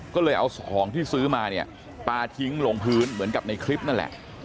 ก็เลยเอาของที่ซื้อมาเนี่ยปลาทิ้งลงพื้นเหมือนกับในคลิปนั่นแหละ